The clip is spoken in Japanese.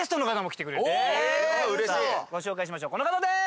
ご紹介しましょうこの方です！